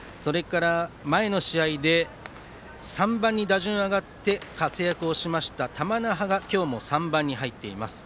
前の試合で３番に打順が上がって活躍をしました玉那覇が今日も３番に入っています。